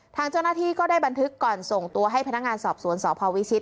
ทางเจ้าหน้าที่ก็ได้บันทึกก่อนส่งตัวให้พนักงานสอบสวนสพวิชิต